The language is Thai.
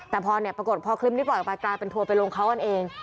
แต่พอเนี่ยปรากฏพอคลิปนี้ปล่อยออกไปกลายเป็นทัวร์ไปลงเขากันเอง